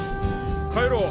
帰ろう！